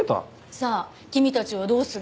「さあ君たちはどうする？」